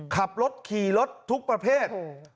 ขับรถขี่รถทุกประเภท